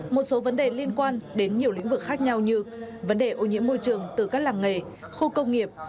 một số vấn đề liên quan đến nhiều lĩnh vực khác nhau như vấn đề ô nhiễm môi trường từ các làng nghề khu công nghiệp